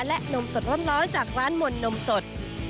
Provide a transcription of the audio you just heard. และนมสดอ้อมน้อยจากร้านมนต์นมสด